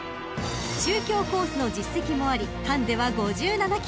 ［中京コースの実績もありハンデは５７ｋｇ］